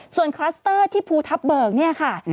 ส่วนคลัสเตอร์ที่ภูทับเบิกเนี่ยค่ะ